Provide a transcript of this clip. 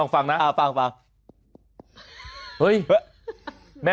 โอ้กั้นนะลองฟังนะ